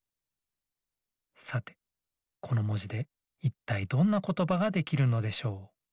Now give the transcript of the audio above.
さてこのもじでいったいどんなことばができるのでしょう？